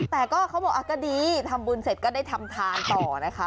แต่ก็เขาบอกก็ดีทำบุญเสร็จก็ได้ทำทานต่อนะคะ